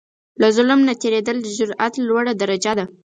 له ظلم نه تېرېدل، د جرئت لوړه درجه ده.